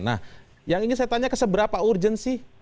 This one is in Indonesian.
nah yang ini saya tanya ke seberapa urgen sih